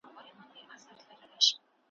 دا ټول نیمګړی د ادب جھان می ولټوو